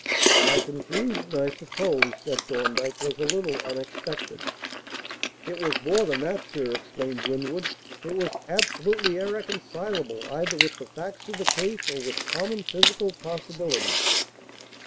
"My conclusion, I suppose," said Thorndyke, "was a little unexpected?" "It was more than that, sir," exclaimed Winwood. "It was absolutely irreconcilable either with the facts of the case or with common physical possibilities."